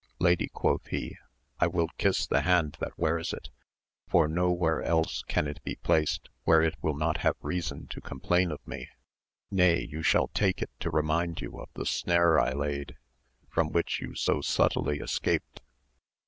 Lady, quoth he, I will kiss the hand that wears it, for no where else can it be placed where it will not have reason to com plain of me. — Nay you shall take it to remind you of the snare I laid, from which you so subtilly escaped.